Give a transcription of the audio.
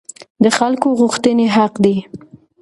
د خلکو غوښتنې حق دي